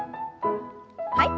はい。